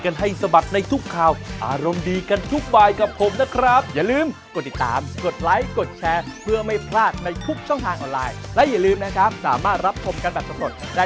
ของกินอร่อยมากมายนะคะคุณชนะขอบคุณค่ะ